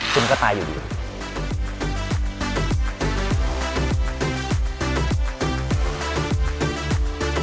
คุณก็ตายอยู่ดี